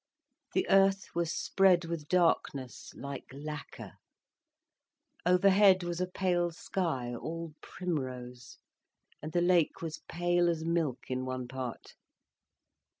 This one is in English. The earth was spread with darkness, like lacquer, overhead was a pale sky, all primrose, and the lake was pale as milk in one part.